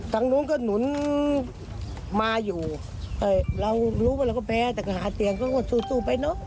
สู้ซุ่ปไปเนอะ